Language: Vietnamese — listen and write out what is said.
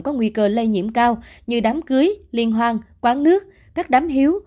có nguy cơ lây nhiễm cao như đám cưới liên hoan quán nước các đám hiếu